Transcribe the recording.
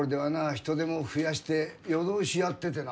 人手も増やして夜通しやっててな。